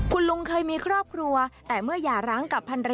คุณลุงเคยมีครอบครัวแต่เมื่ออย่าร้างกับพันร